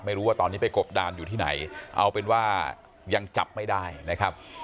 ไม่รู้ว่าตอนนี้ไปกบดานอยู่ที่ไหนเอาเป็นว่ายังจับไม่ได้นะครับ